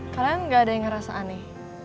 kalian gak ada yang ngerasa aneh